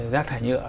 rác thải nhựa